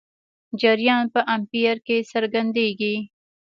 جریان په امپیر کې څرګندېږي.